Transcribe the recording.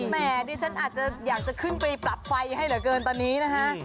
แหมดิฉันอาจจะอยากจะขึ้นไปปรับไฟให้เหลือเกินตอนนี้นะฮะ